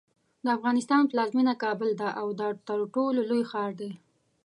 د افغانستان پلازمینه کابل ده او دا ترټولو لوی ښار دی.